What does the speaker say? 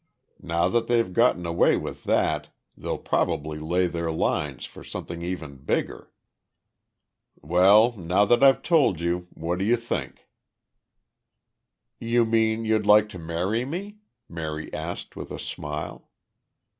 Now that they've gotten away with that, they'll probably lay their lines for something even bigger." "Well, now that I've told you, what d'you think?" "You mean you'd like to marry me?" Mary asked with a smile.